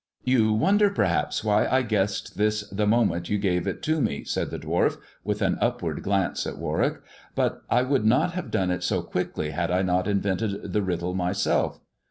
You wonder, perhaps, why I guessed this the moment you gave it to me," said the dwarf, with an upward glance at Warwick ;" but I would not have done it so quickly had I not invented the riddle myself."